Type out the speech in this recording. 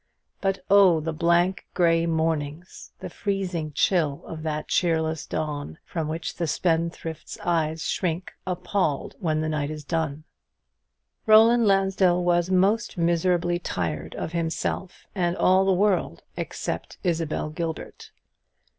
But, oh, the blank grey mornings, the freezing chill of that cheerless dawn, from which the spendthrift's eyes shrink appalled when the night is done! Roland Lansdell was most miserably tired of himself, and all the world except Isabel Gilbert.